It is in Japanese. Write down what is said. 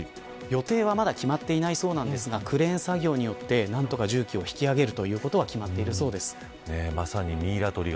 予定はまだ決まっていないそうですがクレーン作業によって何とか引き上げることは決まっているそうです。